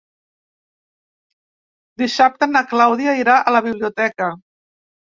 Dissabte na Clàudia irà a la biblioteca.